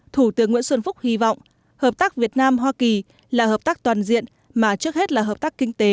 thủ tướng nguyễn xuân phúc hy vọng hợp tác việt nam hoa kỳ là hợp tác toàn diện mà trước hết là hợp tác kinh tế